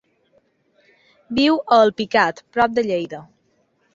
Viu a Alpicat, prop de Lleida.